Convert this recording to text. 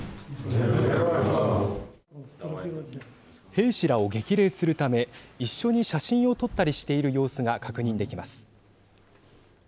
兵士らを激励するため一緒に写真を撮ったりしている様子が確認できます。